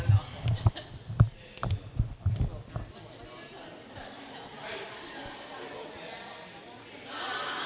ขอบคุณค่ะเป็นยังไงสันตันนะ